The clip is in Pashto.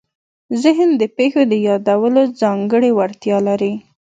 ذهن د پېښو د یادولو ځانګړې وړتیا لري.